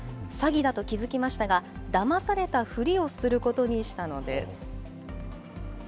詐欺だと気付きましたが、だまされたふりをすることにしたのです。